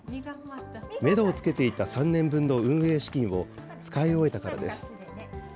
メドをつけていた３年分の運営資金を使い終えたからです。